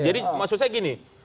jadi maksud saya gini